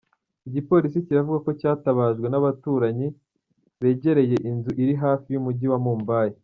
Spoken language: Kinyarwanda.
Igipolisi kiravuga ko cyatabajwe n'abaturanyi begereye inzu iri hafi y'umujyi wa Mumbai.